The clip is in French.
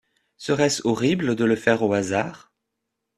Serait-ce horrible de le faire au hasard?